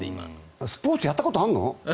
スポーツやったことあるの？